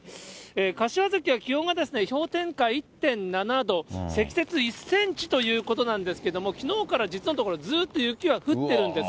柏崎は気温が氷点下１．７度、積雪１センチということなんですけれども、きのうから実のところ、ずっと雪は降ってるんです。